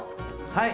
はい！